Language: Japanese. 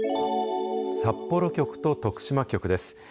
札幌局と徳島局です。